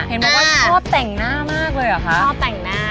เห็นบอกว่าชอบแต่งหน้ามากเลยเหรอคะชอบแต่งหน้า